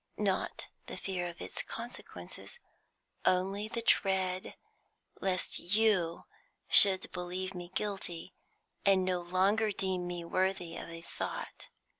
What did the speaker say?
Not the fear of its consequences; only the dread lest you should believe me guilty, and no longer deem me worthy of a thought.